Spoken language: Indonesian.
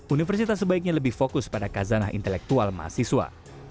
universitas sebaiknya lebih fokus pada kazanah intelektual mahasiswa